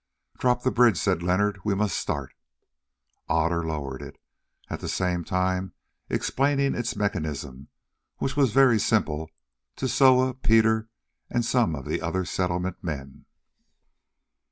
"Drop the bridge," said Leonard; "we must start." Otter lowered it, at the same time explaining its mechanism, which was very simple, to Soa, Peter, and some of the other Settlement men.